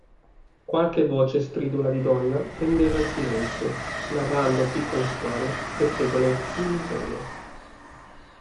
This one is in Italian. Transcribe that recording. Qualche voce stridula di donna fendeva il silenzio, narrando piccole storie, pettegolezzi, miserie.